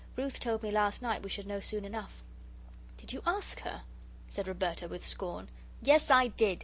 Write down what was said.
"Ruth told me last night we should know soon enough." "Did you ASK her?" said Roberta, with scorn. "Yes, I did!"